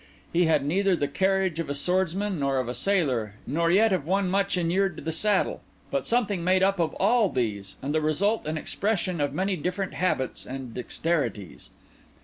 He had neither the carriage of a swordsman, nor of a sailor, nor yet of one much inured to the saddle; but something made up of all these, and the result and expression of many different habits and dexterities.